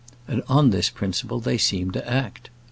And on this principle they seem to act.